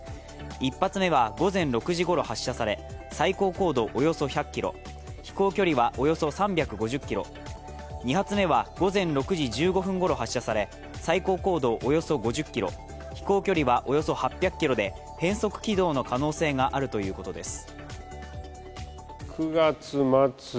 １発目は午前６時ごろ発射され、最高高度およそ１００ｋｍ、飛行距離はおよそ３５０ｋｍ、２発目は午前６時１５分頃発射され、最高高度およそ５０ｋｍ、飛行距離はおよそ８００ｋｍで変則軌道の可能性があるということです。